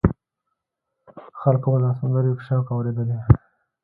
خلکو به دا سندرې په شوق اورېدلې.